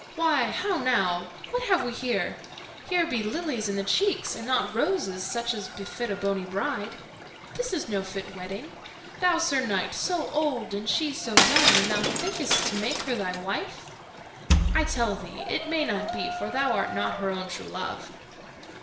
"Why, how now! What have we here? Here be lilies in the cheeks, and not roses such as befit a bonny bride. This is no fit wedding. Thou, Sir Knight, so old, and she so young, and thou thinkest to make her thy wife? I tell thee it may not be, for thou art not her own true love."